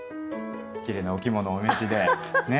きれいなお着物をお召しでね。